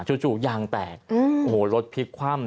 จู่ยางแตกโอ้โหรถพลิกคว่ำ